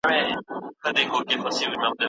او «هغه» به هر سهار راپاڅېدله زما له کیڼې پُښتۍ